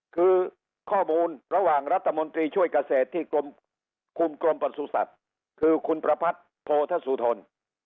คือข้อมูลระหว่างรัฐมนตรีช่วยเกษตรที่กรมคุมกรมประสุทธิ์คือคุณประพัทธ์โพธสุทน